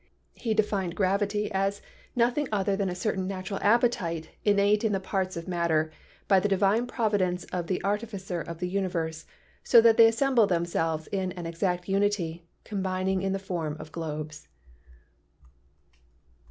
He defined gravity as "noth ing other than a certain natural appetite innate in the parts of matter by the divine providence of the Artificer of the universe, so that they assemble themselves in an exact unity, combining in the form of globes."